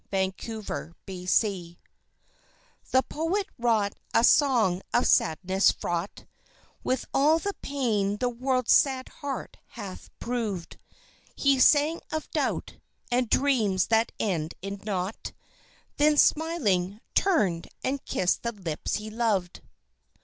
Antithesis The poet wrought a song of sadness, fraught With all the pain the world's sad heart hath proved; He sang of doubt, and dreams that end in naught ... Then, smiling, turned and kissed the lips he loved.